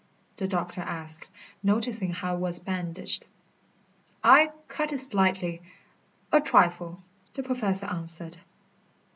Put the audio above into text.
the doctor asked, noticing how it was bandaged. "I cut it slightly a trifle," the Professor answered.